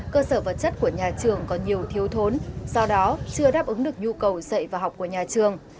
cơ sở vật chất của nhà trường có nhiều thiếu thốn do đó chưa đáp ứng được nhu cầu dạy và học của nhà trường